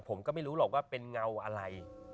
ผมก็ไม่รู้หรอกว่าเป็นเงาอะไร